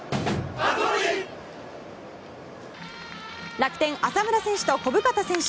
楽天、浅村選手と小深田選手。